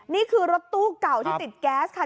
นี่คือรถตู้เก่าที่ติดแก๊สค่ะ